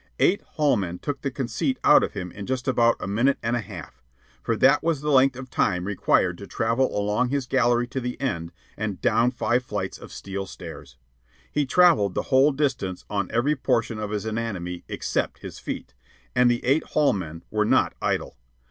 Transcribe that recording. Eight hall men took the conceit out of him in just about a minute and a half for that was the length of time required to travel along his gallery to the end and down five flights of steel stairs. He travelled the whole distance on every portion of his anatomy except his feet, and the eight hall men were not idle.